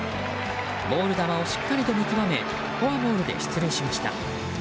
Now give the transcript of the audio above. ボール球をしっかりと見極めフォアボールで出塁しました。